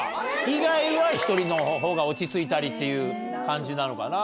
以外は１人のほうが落ち着いたりっていう感じなのかな。